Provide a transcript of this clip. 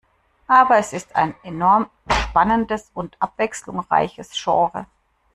Aber es ist ein enorm spannendes und abwechslungsreiches Genre.